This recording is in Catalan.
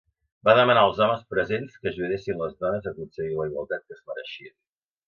Va demanar als homes presents que ajudessin les dones a aconseguir la igualtat que es mereixien.